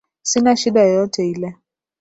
Sina shida yoyote ile